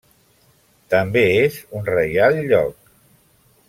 També és un Reial Lloc.